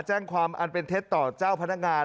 แจ้งความอันเป็นเท็จต่อเจ้าพนักงาน